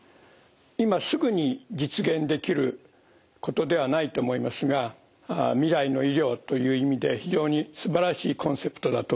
今すぐに実現できることではないと思いますが未来の医療という意味で非常にすばらしいコンセプトだと思います。